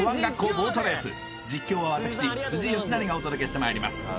ボートレース実況は私辻よしなりがお届けしてまいります